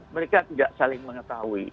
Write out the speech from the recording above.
mereka tidak saling mengetahui